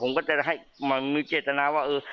ผมก็จะให้มีเจตนาว่าเออ